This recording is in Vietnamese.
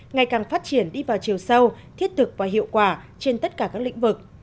ngày càng phát triển đi vào chiều sâu thiết thực và hiệu quả trên tất cả các lĩnh vực